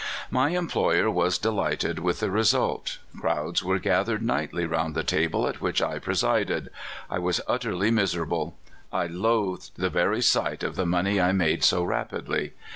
My employer was delighted with the ]'esult Crowds were gathered nightly round the table at which I presided. I was utterly misera ble. [ loathed the very sight of the money I made so rapidly.